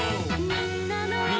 「みんなの」